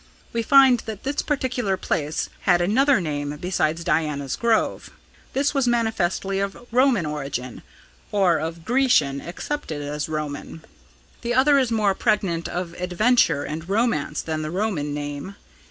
We find that this particular place had another name besides Diana's Grove. This was manifestly of Roman origin, or of Grecian accepted as Roman. The other is more pregnant of adventure and romance than the Roman name.